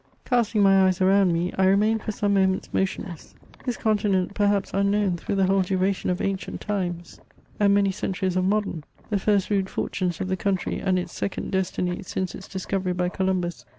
Casting my eyes around me, I remained for some moments motionless. This continent, perhaps unknown through the whole duration of ancient times, and many centuries of modem, — the first rude fortunes of the country and its second destiny since its discovery by Columbus